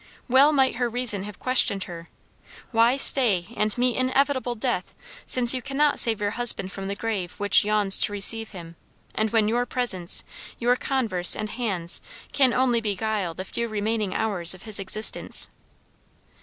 Well might her reason have questioned her, "Why stay and meet inevitable death since you cannot save your husband from the grave which yawns to receive him? and when your presence, your converse and hands can only beguile the few remaining hours of his existence?"